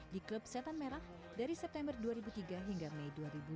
di klub setan merah dari september dua ribu tiga hingga mei dua ribu dua puluh